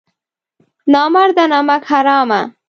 نامرده نمک حرامه!